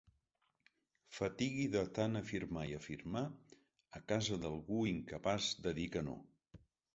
Fatigui de tant afirmar i afirmar a casa d'algú incapaç de dir que no.